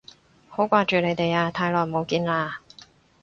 好掛住你哋啊，太耐冇見喇